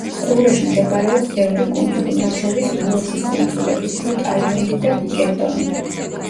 ყურეში მდებარეობს ბევრი კუნძული, მათ შორის: უელსლის კუნძულები, გრუტ-აილენდი და ბიკერტონი.